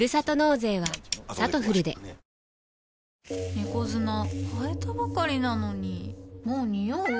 猫砂替えたばかりなのにもうニオう？